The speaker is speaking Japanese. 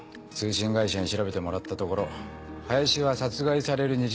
通信会社に調べてもらったところ林は殺害される